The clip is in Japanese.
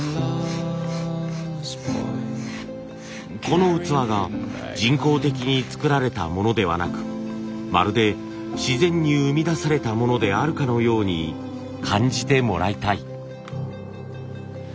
この器が人工的に作られたものではなくまるで自然に生み出されたものであるかのように感じてもらいたい。